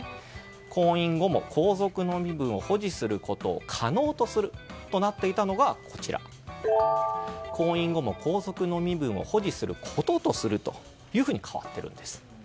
婚姻後も皇族の身分を保持することを可能とするとなっていたのが婚姻後も皇族の身分を保持することとすると変わってるんです。